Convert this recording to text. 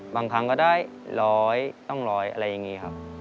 ครั้งก็ได้ร้อยต้องร้อยอะไรอย่างนี้ครับ